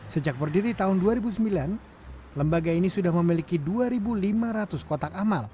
sejak berdiri tahun dua ribu sembilan lembaga ini sudah memiliki dua lima ratus kotak amal